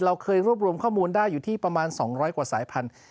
เราเคยรวบรวมข้อมูลได้อยู่ที่ประมาณ๒๐๐กว่าสายพันธุ